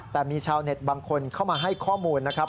แต่มีชาวเน็ตบางคนเข้ามาให้ข้อมูลนะครับ